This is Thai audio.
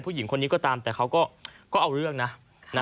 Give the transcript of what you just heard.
ผู้หญิงคนนี้ก็ตามแต่เขาก็เอาเรื่องนะ